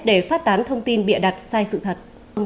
để phát tán thông tin bịa đặt sai sự thật